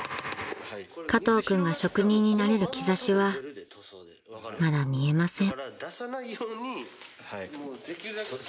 ［加藤君が職人になれる兆しはまだ見えません］